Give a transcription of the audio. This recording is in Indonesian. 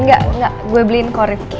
nggak nggak gue beliin kok rifki